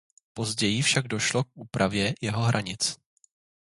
Později však došlo k úpravě jeho hranic.